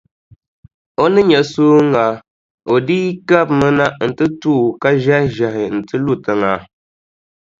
O ni nya sooŋa, o dii kabimi na nti to o ka ʒɛhiʒɛhi nti lu tiŋa.